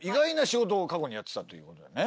過去にやってたということでね。